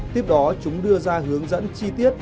tiếp đó chúng đưa ra hướng dẫn chi tiết